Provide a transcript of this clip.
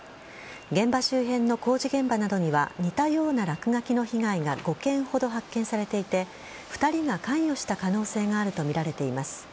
現場周辺の工事現場などには似たような落書きの被害が５件ほど発見されていて２人が関与した可能性があるとみられています。